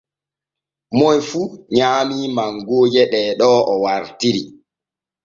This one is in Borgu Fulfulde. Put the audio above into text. Moy fu nyaamii mangooje ɗee ɗo o wartiri.